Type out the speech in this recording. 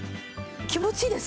気持ちいいです。